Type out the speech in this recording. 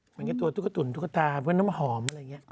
เหมือนกับตัวทุกตุ๋นทุกตาเหมือนน้ำหอม